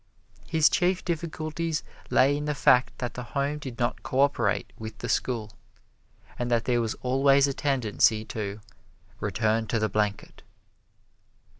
His chief difficulties lay in the fact that the home did not co operate with the school, and that there was always a tendency to "return to the blanket."